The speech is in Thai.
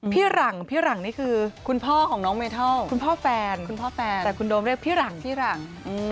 หลังพี่หลังนี่คือคุณพ่อของน้องเมทัลคุณพ่อแฟนคุณพ่อแฟนแต่คุณโดมเรียกพี่หลังพี่หลัง